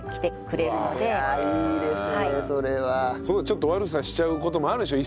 ちょっと悪さしちゃう事もあるでしょ？